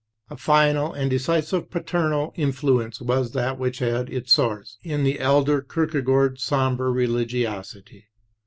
A final and decisive paternal influence was that which had its source in the elder Kierkegaard's sombre religiosity.